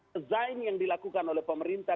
desain yang dilakukan oleh pemerintah